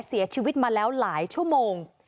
เสียชีวิตมาแล้วหลายชั่วโมง